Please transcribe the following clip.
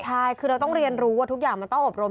ใช่คือเราต้องเรียนรู้ว่าทุกอย่างมันต้องอบรม